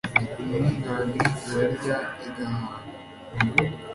intungane irarya igahag